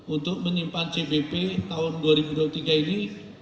untuk menyimpan cbp tahun dua ribu dua puluh tiga ini